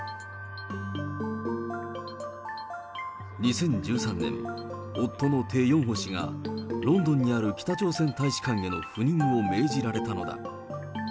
２０１３年、夫のテ・ヨンホ氏が、ロンドンにある北朝鮮大使館への赴任を命じられたのだ。